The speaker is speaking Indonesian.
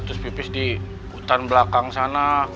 terus pipis di hutan belakang sana